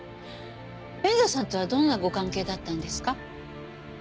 遠藤さんとはどんなご関係だったんですか？